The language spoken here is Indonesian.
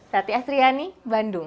sati astriani bandung